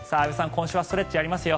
今週はストレッチやりますよ。